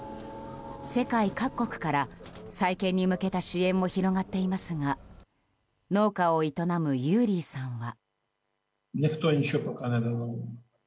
世界各国から再建に向けた支援も広がっていますが農家を営むユーリィさんは。